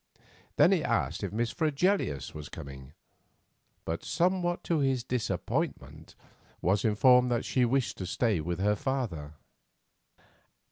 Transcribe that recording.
Then he asked if Miss Fregelius was coming, but somewhat to his disappointment, was informed that she wished to stay with her father.